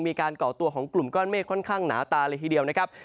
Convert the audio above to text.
ก่อตัวของกลุ่มก้อนเมฆค่อนข้างหนาตาเลยทีเดียวนะครับ